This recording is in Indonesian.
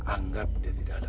anggap dia tidak ada